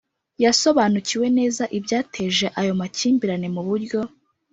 yasobanukiwe neza ibyateje ayo makimbirane mu buryo